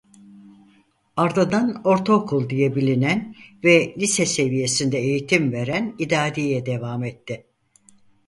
Ardından ortaokul diye bilinen ve lise seviyesinde eğitim veren idadiye devam etti.